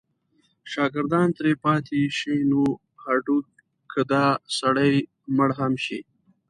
شاګردان ترې پاتې شي نو هډو که دا سړی مړ هم شي.